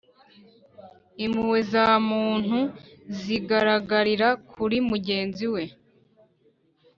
Impuhwe za muntu zigaragarira kuri mugenzi we,